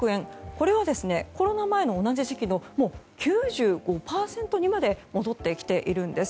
これはコロナ前の同じ時期の９５％にまで戻ってきているんです。